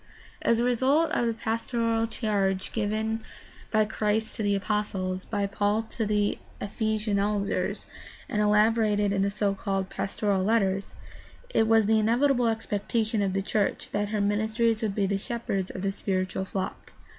As a result of the pastoral charge given by Christ to the apostles, by Paul to the Ephesian elders, and elaborated in the so called Pastoral Letters, it was the inevitable expectation of the church that her ministers would be the shepherds of the spiritual flock.